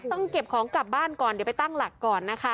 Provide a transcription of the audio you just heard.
ต้องเก็บของกลับบ้านก่อนเดี๋ยวไปตั้งหลักก่อนนะคะ